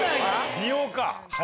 美容か鼻？